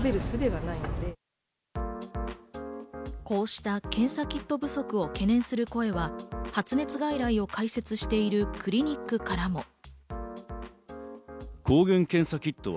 こうした検査キット不足を懸念する声は発熱外来を開設しているクリニックからも。